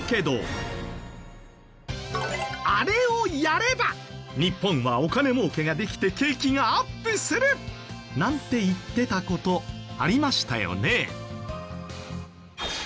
あれをやれば日本はお金儲けができて景気がアップするなんて言ってた事ありましたよね？